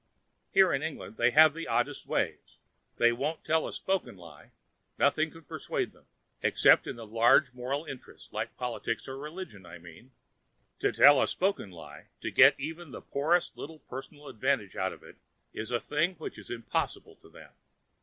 Here in England they have the oddest ways. They won't tell a spoken lie—nothing can persuade them. Except in a large moral interest, like politics or religion, I mean. To tell a spoken lie to get even the poorest little personal advantage out of it is a thing which is impossible to them.